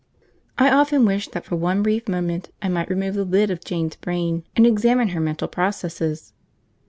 I often wish that for one brief moment I might remove the lid of Jane's brain and examine her mental processes.